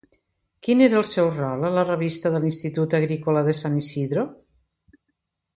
Quin era el seu rol a la revista de l'Institut Agricola de San Isidro?